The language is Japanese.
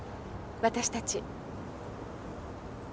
私たち。